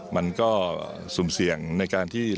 มันก็สุ่มเสี่ยงในการที่